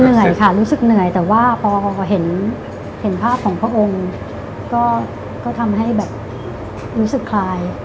เหนื่อยค่ะรู้สึกเหนื่อยแต่ว่าพอเห็นภาพของพระองค์ก็ทำให้แบบรู้สึกคลาย